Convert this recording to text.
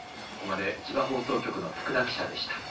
ここまで千葉放送局の福田記者でした。